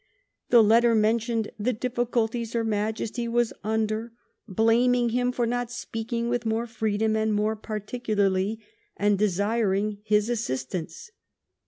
The letter mentioned the difficulties her Majesty was under, blaming him for not speaking with more freedom, and more particu larly; and desiring his assistance.